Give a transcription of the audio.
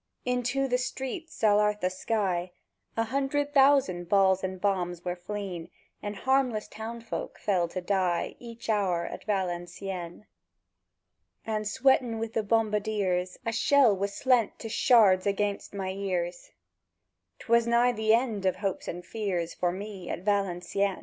Into the streets, ath'art the sky, A hundred thousand balls and bombs were fleën; And harmless townsfolk fell to die Each hour at Valencieën! And, sweatèn wi' the bombardiers, A shell was slent to shards anighst my ears: —'Twas nigh the end of hopes and fears For me at Valencieën!